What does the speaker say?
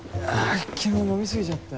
昨日飲み過ぎちゃって。